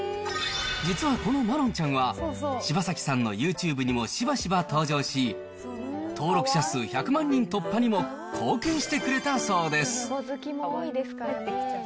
実はこのマロンちゃんは、柴崎さんのユーチューブにもしばしば登場し、登録者数１００万人突破にも貢献してくれたそう。